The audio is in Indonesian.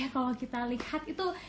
kalau kita lihat itu